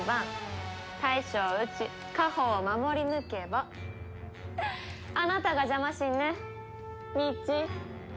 大将を討ち家宝を守り抜けばあなたがジャマ神ねミッチー。